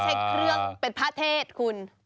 ใช้เครื่องเป็นพระเทศคุณ